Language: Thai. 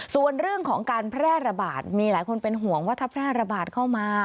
ส่วนเรื่องของการแพร่ระบาดมีหลายคนเป็นห่วงว่าถ้าแพร่ระบาดเข้ามา